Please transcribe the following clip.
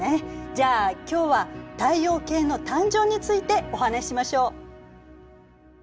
じゃあ今日は太陽系の誕生についてお話ししましょう。